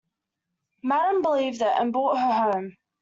Madame believed it, and brought her home.